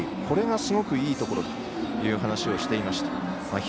これがすごくいいところだと話をしていました。